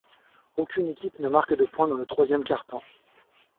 Aucune équipe ne marque de point dans le troisième quart-temps.